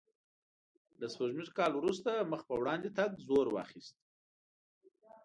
له سپوږمیز کال وروسته مخ په وړاندې تګ زور واخیست.